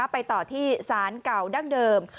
ไปต่อที่สารเก่าดั้งเดิม